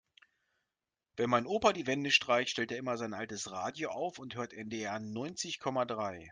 Wenn mein Opa die Wände streicht, stellt er immer sein altes Radio auf und hört NDR neunzig Komma drei.